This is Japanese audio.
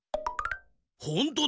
ほんとだ。